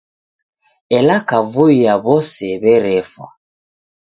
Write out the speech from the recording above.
Ela kavui ya w'ose werefwa.